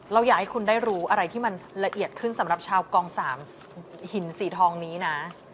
อยากให้คุณได้รู้อะไรที่มันละเอียดขึ้นสำหรับชาวกองสามหินสีทองนี้นะ